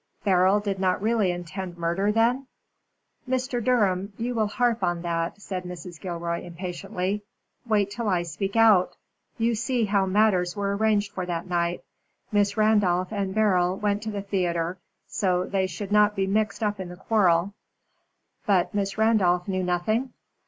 "Beryl did not really intend murder, then?" "Mr. Durham, you will harp on that," said Mrs. Gilroy, impatiently. "Wait till I speak out. You see how matters were arranged for that night. Miss Randolph and Beryl went to the theatre so that they should not be mixed up in the quarrel." "But Miss Randolph knew nothing?"